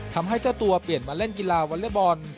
ทำให้เจ้าตัวเปลี่ยนมาเล่นกีฬาวอเล็กบอล